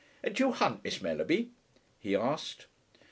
"Do you hunt, Miss Mellerby?" he asked.